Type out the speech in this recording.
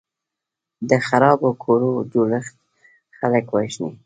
د خرابو کورو جوړښت خلک وژني.